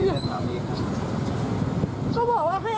มันไม่ใช่มันคือเรื่องจริง